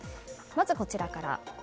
まず、こちらから。